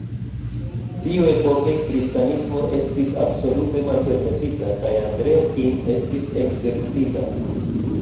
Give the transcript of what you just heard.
Tiuepoke kristanismo estis absolute malpermesita kaj Andreo Kim estis ekzekutita.